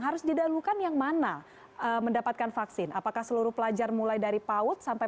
harus didahulukan yang mana mendapatkan vaksin apakah seluruh pelajar mulai dari paut sampai